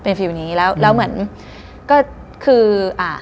เป็นฟิวนี้แล้วเหมือนก็คือ